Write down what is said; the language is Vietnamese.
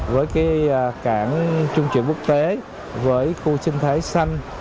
với cảng trung chuyển quốc tế với khu sinh thái xanh